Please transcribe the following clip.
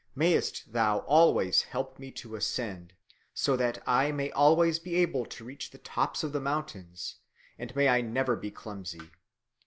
Mayest thou always help me to ascend, so that I may always be able to reach the tops of mountains, and may I never be clumsy!